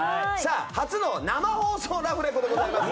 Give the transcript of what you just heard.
初の生放送ラフレコでございます。